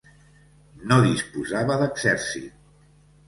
No disposava d'exèrcit.